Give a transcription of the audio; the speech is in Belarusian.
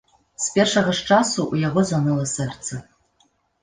З першага ж часу ў яго заныла сэрца.